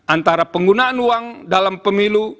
antara penggunaan uang dalam pemilu